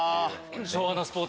昭和のスポーツ